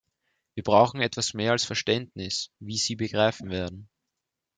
Wir brauchen etwas mehr als Verständnis, wie Sie begreifen werden.